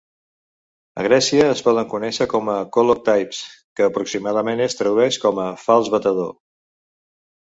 A Grècia es poden conèixer com a "Kolochtypes", que aproximadament es tradueix com a "fals batedor".